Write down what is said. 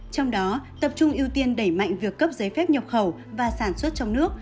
trong đó tập trung ưu tiên đẩy mạnh việc cấp giấy phép nhập khẩu và sản xuất trong nước